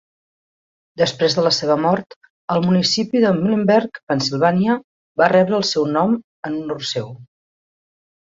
Després de la seva mort, el municipi de Muhlenberg, Pennsilvània, va rebre el seu nom en honor seu.